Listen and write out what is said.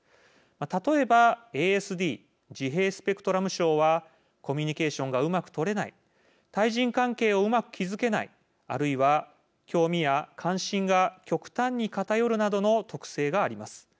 例えばＡＳＤ＝自閉スペクトラム症はコミュニケーションがうまく取れない対人関係をうまく築けないあるいは興味や関心が極端に偏るなどの特性があります。